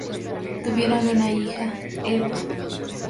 Tuvieron una hija, Eva.